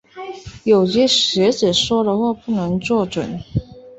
有些学者说的话不能做准。